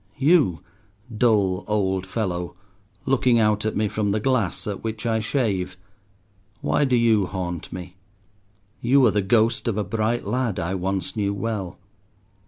You, dull old fellow, looking out at me from the glass at which I shave, why do you haunt me? You are the ghost of a bright lad I once knew well.